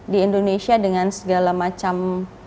di indonesia dengan segala macam